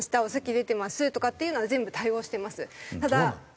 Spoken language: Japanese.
お咳出てますとかっていうのは全部対応してます。